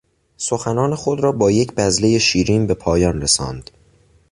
سخنان خود را با یک بذلهی شیرین به پایان رساند.